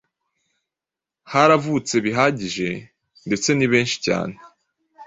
haravutse bihagije, ndetse ni benshi cyane,